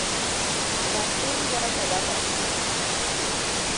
Nyathi yuago babagi?